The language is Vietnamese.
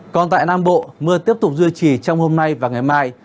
còn tại nam bộ mưa tiếp tục duy trì trong hôm nay và ngày mai